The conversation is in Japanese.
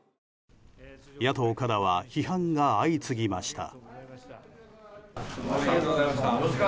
野党からは批判が相次ぎました。